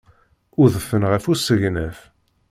Udfen ɣer usegnaf.